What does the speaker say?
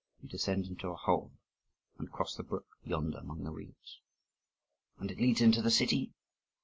"You descend into a hole, and cross the brook, yonder among the reeds." "And it leads into the city?"